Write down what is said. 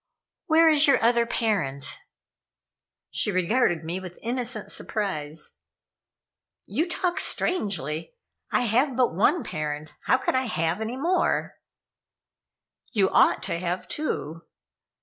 "Where is your other parent?" She regarded me with innocent surprise. "You talk strangely. I have but one parent. How could I have any more?" "You ought to have two."